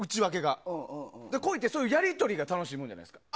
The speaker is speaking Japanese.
恋ってそういうやり取りが楽しいものじゃないですか。